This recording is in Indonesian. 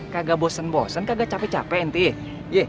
kagak bosen bosen kagak cape cape ente